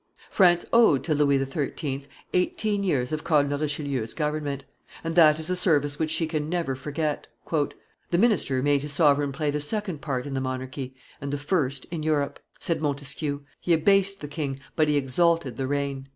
France owed to Louis XIII. eighteen years of Cardinal Richelieu's government; and that is a service which she can never forget. "The minister made his sovereign play the second part in the monarchy and the first in Europe," said Montesquieu: "he abased the king, but he exalted the reign."